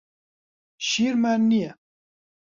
شیرمان نییە.